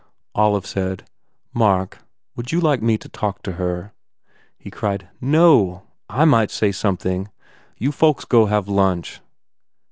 Olive said, "Mark, would you like to talk to her?" He cried, "No! I might say something. You folks go have lunch."